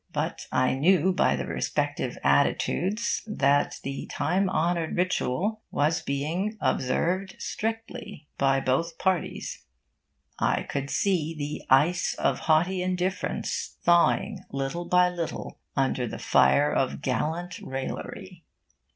But I knew by the respective attitudes that the time honoured ritual was being observed strictly by both parties. I could see the ice of haughty indifference thawing, little by little, under the fire of gallant raillery.